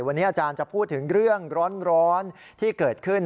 วันนี้อาจารย์จะพูดถึงเรื่องร้อนที่เกิดขึ้น